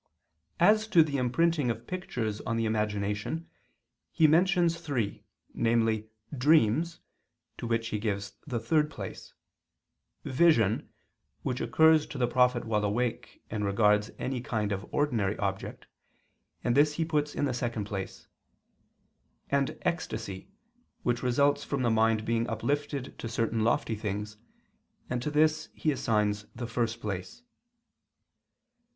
As to the imprinting of pictures on the imagination he mentions three, namely "dreams," to which he gives the third place; "vision," which occurs to the prophet while awake and regards any kind of ordinary object, and this he puts in the second place; and "ecstasy," which results from the mind being uplifted to certain lofty things, and to this he assigns the first place.